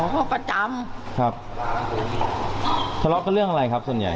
ก็ประจำครับทะเลาะกับเรื่องอะไรครับส่วนใหญ่